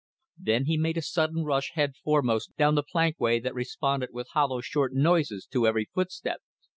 Then he made a sudden rush head foremost down the plankway that responded with hollow, short noises to every footstep.